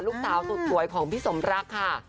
ลูกสาวสุดสวยของพี่สมรักค่ะ